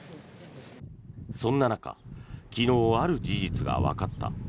そんな中昨日、ある事実がわかった。